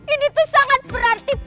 ini tuh sangat berarti